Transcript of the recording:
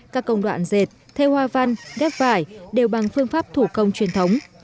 các công đoạn dệt thê hoa văn ghép vải đều bằng phương pháp thủ công truyền thống